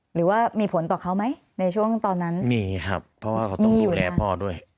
หรือว่ามีผลต่อเขาไหมในช่วงตอนนั้นมีครับเพราะว่าเขาต้องดูแลพ่อด้วย